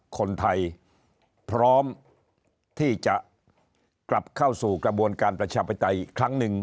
คนไทยพร้อมที่จะกลับเข้าสู่กระบวนการประชาธิปไตยอีกครั้งหนึ่ง